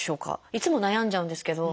いつも悩んじゃうんですけど。